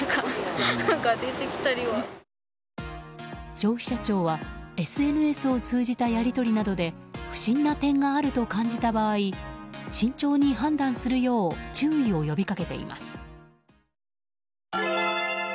消費者庁はＳＮＳを通じたやり取りなどで不審な点があると感じた場合慎重に判断するよう注意を呼びかけています。